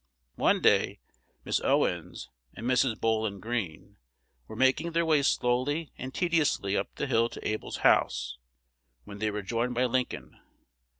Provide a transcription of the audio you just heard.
One day Miss Owens and Mrs. Bowlin Greene were making their way slowly and tediously up the hill to Able's house, when they were joined by Lincoln.